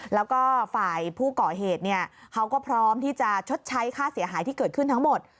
แล้วก็ฝ่ายผู้ก่อเหตุเนี่ยเขาก็พร้อมที่จะชดใช้ค่าเสียหายที่เกิดขึ้นทั้งหมด